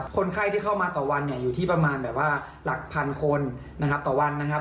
คนไข้ที่เข้ามาต่อวันเนี่ยอยู่ที่ประมาณแบบว่าหลักพันคนนะครับต่อวันนะครับ